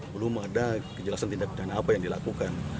belum ada kejelasan tindak pidana apa yang dilakukan